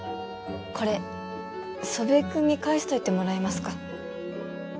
これ祖父江君に返しといてもらえますか？